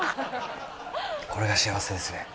これが幸せですね。